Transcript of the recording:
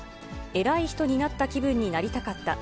偉い人になった気分になりたかった。